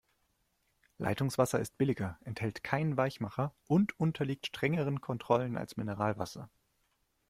Leitungswasser ist billiger, enthält keinen Weichmacher und unterliegt strengeren Kontrollen als Mineralwasser.